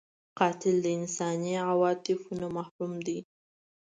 قاتل د انساني عاطفو نه محروم دی